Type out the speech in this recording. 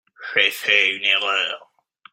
J'ai fait une erreur.